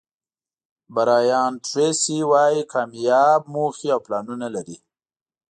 برایان ټریسي وایي کامیاب موخې او پلانونه لري.